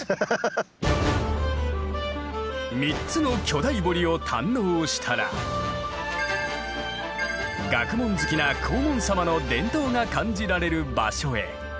３つの巨大堀を堪能したら学問好きな黄門様の伝統が感じられる場所へ。